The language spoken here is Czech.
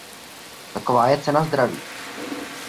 Taková je cena zdraví.